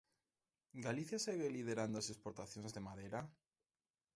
¿Galicia segue liderando as exportacións de madeira?